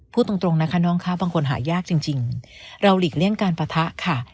พูดตรงนะคะน้องค่ะบางคนหายากจริงเราหลีกเลี่ยงการปะทะค่ะ